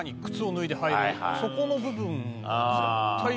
そこの部分絶対。